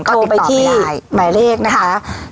เขาติดต่อไปได้โทรไปที่หมายเลขนะฮะ